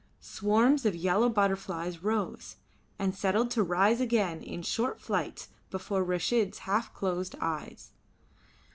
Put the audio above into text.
Swarms of yellow butterflies rose, and settled to rise again in short flights before Reshid's half closed eyes.